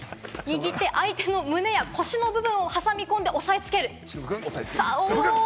相手の胸や腰の部分を挟み込んで押さえつける。